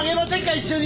一緒に！